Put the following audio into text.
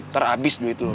terhabis duit lu